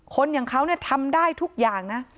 อย่างเขาเนี่ยทำได้ทุกอย่างนะ